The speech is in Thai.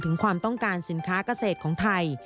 ถึงความต้องการสินค้ากเศษของไทย